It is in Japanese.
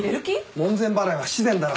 門前払いは不自然だろ。